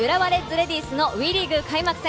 レディースの、ＷＥリーグ開幕戦。